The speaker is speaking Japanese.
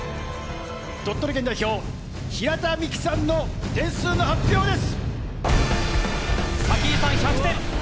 鳥取県代表平田美貴さんの点数の発表です！